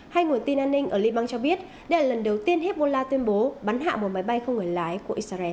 hai nguồn tin an ninh ở libang cho biết đây là lần đầu tiên hezbollah tuyên bố bắn hạ một máy bay không người lái của israel